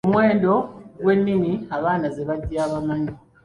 Omuwendo gw’ennimi abaana ze bajja bamanyi.